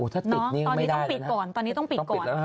ถ้าปิดนี่ไม่ได้เลยนะตอนนี้ต้องปิดก่อน